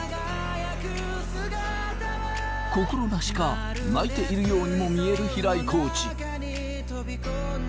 心なしか泣いているようにも見える平井コーチ。